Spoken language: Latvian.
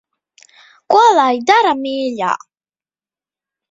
Ko lai dara, mīļā.